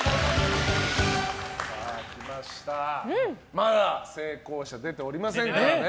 まだ成功者出ておりませんからね。